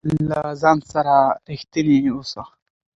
له ځان سره رښتينی اوسه